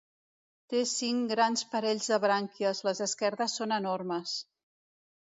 Té cinc grans parells de brànquies, les esquerdes són enormes.